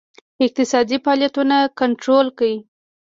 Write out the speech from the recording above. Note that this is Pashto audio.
اقتصادي فعالیتونه کنټرول کړي.